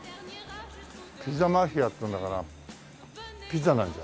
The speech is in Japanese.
ピザマフィアっつうんだからピザなんじゃない？